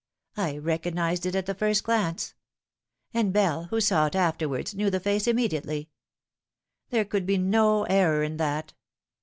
I recognised it at the first glance ; and Bell, who saw it afterwards, knew the face immediately. There could be no error in that.